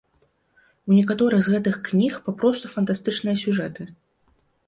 У некаторых з гэтых кніг папросту фантастычныя сюжэты.